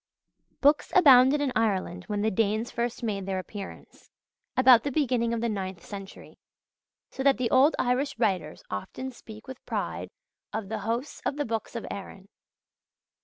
Books abounded in Ireland when the Danes first made their appearance, about the beginning of the ninth century; so that the old Irish writers often speak with pride of "the hosts of the books of Erin."